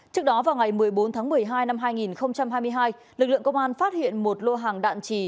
trước đó vào ngày một mươi bốn tháng một mươi hai năm hai nghìn hai mươi hai lực lượng công an phát hiện một lô hàng đạn trì